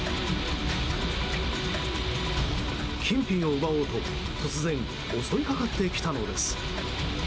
金品を奪おうと突然、襲いかかってきたのです。